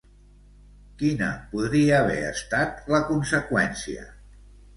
Quina podria haver estat la conseqüència?